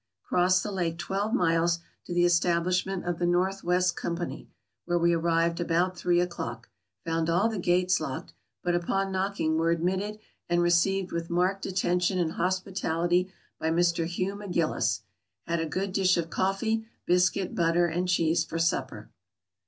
Crossed the lake twelve miles to the establishment of the North West Company, where we arrived about three o'clock; found all the gates locked, but upon knocking were admit ted and received with marked attention and hospitality by Mr. Hugh McGillis. Had a good dish of coffee, biscuit, butter and cheese for supper.